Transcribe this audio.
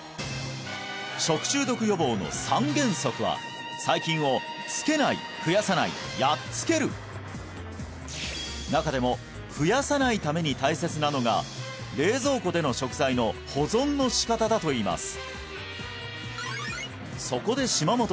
食中毒予防の３原則は細菌を中でも増やさないために大切なのが冷蔵庫での食材の保存のしかただといいます